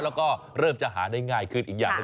แล้วก็เริ่มจะหาได้ง่ายขึ้นอีกอย่างหนึ่ง